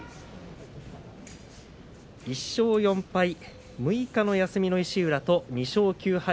１勝４敗６日の休みの石浦。